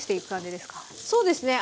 そうですね